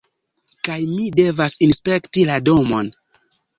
kaj mi devas inspekti la domon.